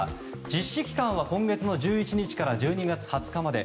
実施期間は今月の１１日から１２月２０日まで。